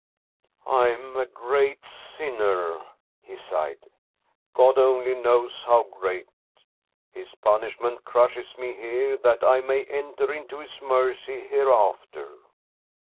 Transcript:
" I am a great sinner," he sighed, " God only knows how great. His punishment crushes me here that I may enter into His mercy here after."